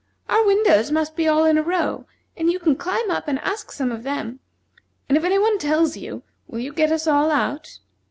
Our windows must be all in a row, and you can climb up and ask some of them; and if any one tells you, will you get us all out?"